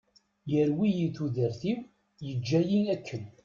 Yerwi-iyi tudert-iw yeǧǧa-iyi akken.